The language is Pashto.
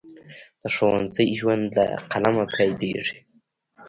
د ښوونځي ژوند له قلمه پیلیږي.